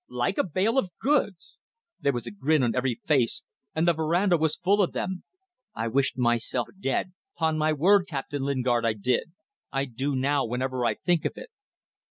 Like a bale of goods! There was a grin on every face, and the verandah was full of them. I wished myself dead 'pon my word, Captain Lingard, I did! I do now whenever I think of it!"